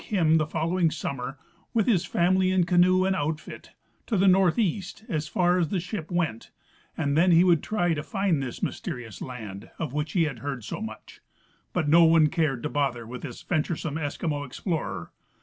79 him the following summer, with his family, canoe and outfit, to the northeast as far as the ship went, and then he would try to find this mysterious land of which he had heard so much ; but no one cared to bother with this venturesome Eskimo explorer.